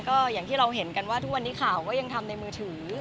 ก็อย่างที่เราเห็นกันว่าทุกวันนี้ข่าวก็ยังทำในมือถือ